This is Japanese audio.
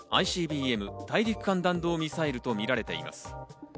ＩＣＢＭ＝大陸間弾道ミサイルと見られています。